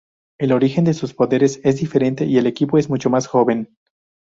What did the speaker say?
El origen de sus poderes es diferente y el equipo es mucho más joven.